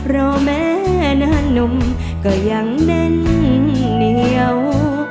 เราแม้หน้านุ่มก็ยังเด้นเหนียว